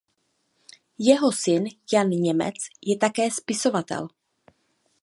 Jeho syn Jan Němec je také spisovatel.